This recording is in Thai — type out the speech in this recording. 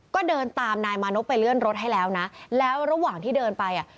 ก็เดินตามนายมานพไปเลื่อนรถให้แล้วนะแล้วระหว่างที่เดินไปอ่ะ